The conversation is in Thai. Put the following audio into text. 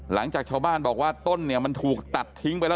หลังจากชาวบ้านบอกว่าต้นเนี่ยมันถูกตัดทิ้งไปแล้ว